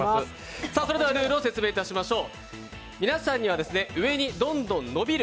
それではルールを説明いたしましょう。